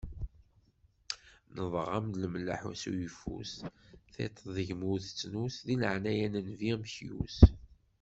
Nnḍeɣ-am lemlaḥ s uyeffus, tiṭ deg-m ur tettnus, deg laɛnaya n nnbi amekyus.